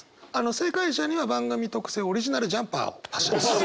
正解者には番組特製オリジナルジャンパーを。